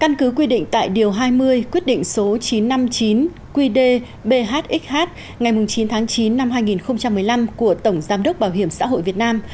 căn cứ quy định tại điều hai mươi quyết định số chín trăm năm mươi chín qd bhxh ngày chín tháng chín năm hai nghìn một mươi năm của tổng giám đốc bảo hiểm xã hội việt nam